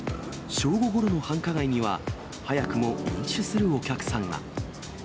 正午ごろの繁華街には、早くも飲酒するお客さんが。